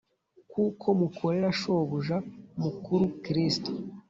kuko mukorera Shobuja mukuru Kristo